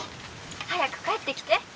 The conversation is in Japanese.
「早く帰ってきて。